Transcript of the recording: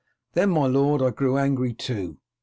Then, my lord, I grew angry too.